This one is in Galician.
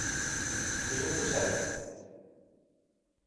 Minuto sete.